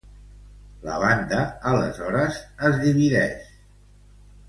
La banda aleshores es dividix.